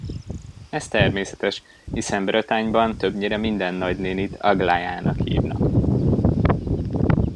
Ez természetes, hiszen Bretagne-ban többnyire minden nagynénit Aglájának hívnak.